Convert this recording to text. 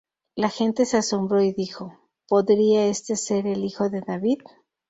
La gente se asombró y dijo: "¿Podría este ser el Hijo de David?